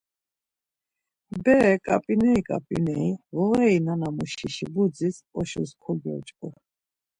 Bere ǩap̌ineri ǩap̌ineri ğureri nana muşişi budzi oşus kogyoç̌ǩu.